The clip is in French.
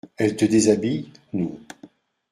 Elle te déshabille ? Non.